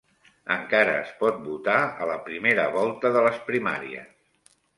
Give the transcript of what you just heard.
Encara es pot votar a la primera volta de les primàries